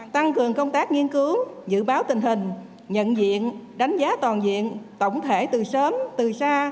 tăng cường công tác nghiên cứu dự báo tình hình nhận diện đánh giá toàn diện tổng thể từ sớm từ xa